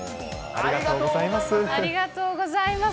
ありがとうございます。